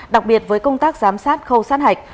đặc biệt với công tác giám sát khâu sát hạch